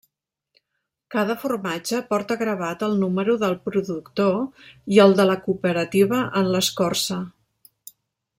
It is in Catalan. Cada formatge porta gravat el número del productor i el de la cooperativa en l'escorça.